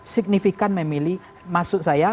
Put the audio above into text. signifikan memilih maksud saya